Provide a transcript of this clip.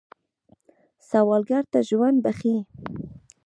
سوالګر ته ژوند بخښئ